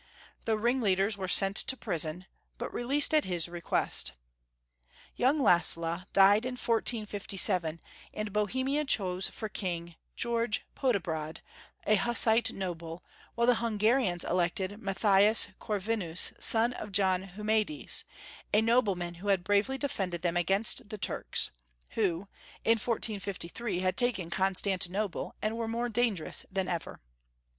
The ringleaders were sent to prison, but released at his request. Yoimg Lassla died in 1457, and Bohemia chose for king, George Podiebrad, a Hussite noble, while the Hungarians elected Matthias Corvinus, son of John Humiades, a nobleman who had bravely de fended them against the Turks — who, in 1453, had taken Constantinople, and were more dangerous than ever.